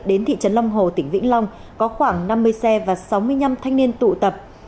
đến thị trấn long hồ tỉnh vĩnh long có khoảng năm mươi xe và sáu mươi năm thanh niên tụ tập